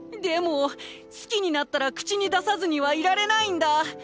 でも好きになったら口に出さずにはいられないんだ。